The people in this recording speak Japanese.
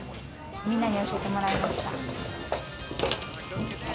みんなに教えてもらいました。